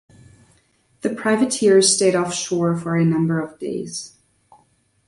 The privateers stayed off shore for a number of days.